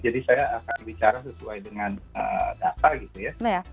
jadi saya akan bicara sesuai dengan data gitu ya